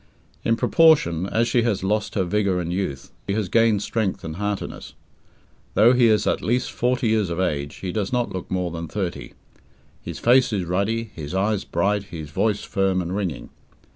In proportion as she has lost her vigour and youth, he has gained strength and heartiness. Though he is at least forty years of age, he does not look more than thirty. His face is ruddy, his eyes bright, his voice firm and ringing.